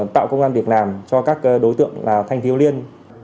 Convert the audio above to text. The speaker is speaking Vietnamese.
tạo công an việc làm cho các đối tượng là thanh thiếu liên